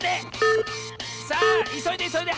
さあいそいでいそいで！